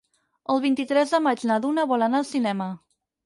El vint-i-tres de maig na Duna vol anar al cinema.